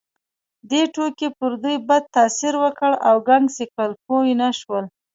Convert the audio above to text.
دې ټوکې پر دوی بد تاثیر وکړ او ګنګس یې کړل، پوه نه شول.